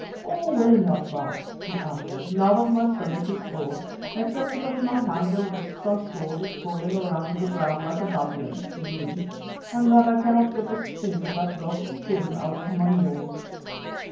"Oh! well enough, Baas," he answered, "now that my stomach is full, except that my hands and wrists are sore with crawling along the ground like a babyan (baboon), and that I cannot get the stink of that god's skin out of my nose.